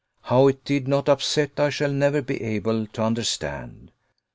How it did not upset I shall never be able to understand.